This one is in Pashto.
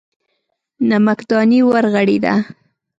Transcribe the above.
نمکدانۍ ورغړېده.